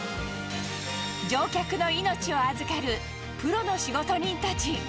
乗客の命を預かるプロの仕事人たち。